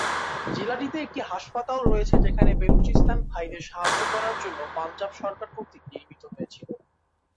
জেলাটিতে একটি হাসপাতাল রয়েছে যেখানে বেলুচিস্তান ভাইদের সাহায্য করার জন্য পাঞ্জাব সরকার কর্তৃক নির্মিত হয়েছিল।